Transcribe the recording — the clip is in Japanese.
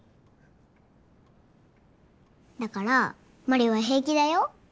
だからまりは平気だよ！